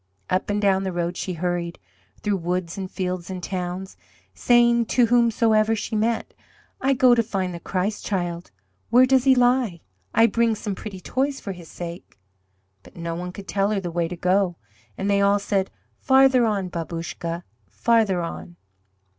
Up and down the road she hurried, through woods and fields and towns, saying to whomsoever she met: "I go to find the Christ Child. Where does He lie? I bring some pretty toys for His sake." But no one could tell her the way to go, and they all said: "Farther on, Babouscka, farther on."